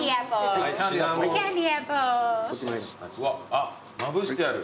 あっまぶしてある。